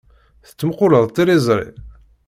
Tettmuqquleḍ tiliẓri?